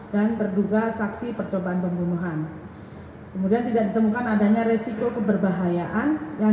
dan terduga saksi percobaan pembunuhan kemudian tidak ditemukan adanya resiko keberbahayaan yang